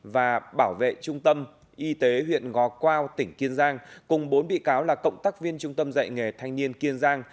và bảo vệ trung tâm y tế huyện ngò quao tỉnh kiên giang cùng bốn bị cáo là cộng tác viên trung tâm dạy nghề thanh niên kiên giang